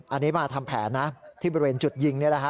อันนี้มาทำแผนนะที่บริเวณจุดยิงนี่แหละฮะ